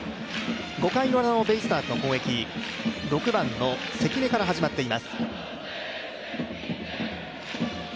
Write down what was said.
５回ウラのベイスターズの攻撃、６番の関根から始まっています。